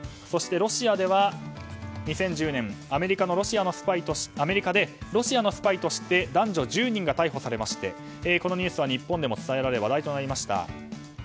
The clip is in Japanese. そして、ロシアでは２０１０年、アメリカでロシアのスパイとして男女１０人が逮捕されましてこのニュースは日本でも伝えられ話題となりました。